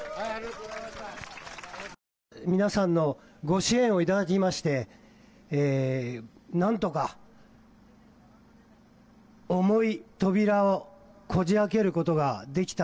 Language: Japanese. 皆さんのご支援を頂きまして、なんとか重い扉をこじあけることができた。